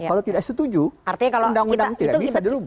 kalau tidak setuju undang undang tidak bisa dirubah